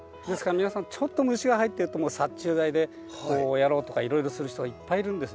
皆さんちょっと虫が入ってるともう殺虫剤でこうやろうとかいろいろする人がいっぱいいるんですね。